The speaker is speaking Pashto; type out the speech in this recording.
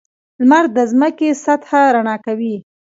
• لمر د ځمکې سطحه رڼا کوي.